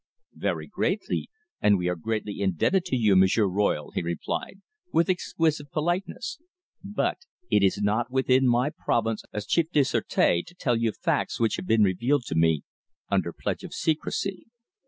"Very greatly, and we are greatly indebted to you, M'sieur Royle," he replied, with exquisite politeness; "but it is not within my province as Chef du Sureté to tell you facts which have been revealed to me under pledge of secrecy."